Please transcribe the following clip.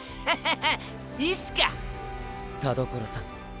田所さんも。